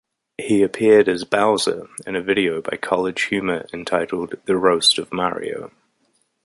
He appeared as Bowser in a video by CollegeHumor entitled "The Roast of Mario".